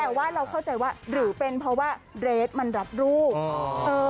แต่ว่าเราเข้าใจว่าหรือเป็นเพราะว่าเดรสมันรับรูปเออ